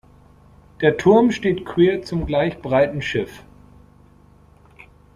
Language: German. Der Turm steht quer zum gleich breiten Schiff.